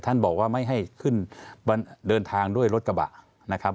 ท่านบอกว่าไม่ให้ขึ้นเดินทางด้วยรถกระบะนะครับ